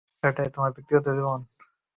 এটাই তোমার ব্যক্তিগত জীবন।